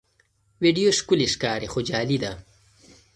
ویډیو ښکلي ښکاري خو جعلي ده.